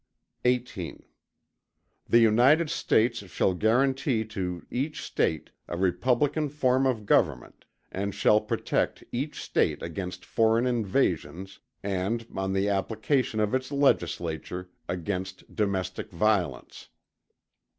XVIII The United States shall guaranty to each State a Republican form of government; and shall protect each State against foreign invasions, and, on the application of its Legislature, against domestic violence.